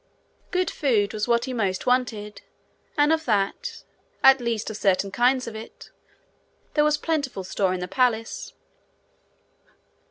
Good food was what he most wanted and of that, at least of certain kinds of it, there was plentiful store in the palace.